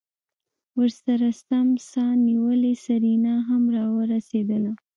ورسرہ سم سا نيولې سېرېنا هم راورسېدله.